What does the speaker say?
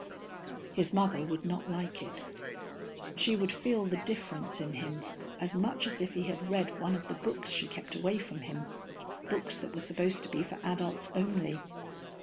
His mother would not like it. She would feel the difference in him, as much as if he had read one of the books she kept away from him, books that were supposed to be for adults only.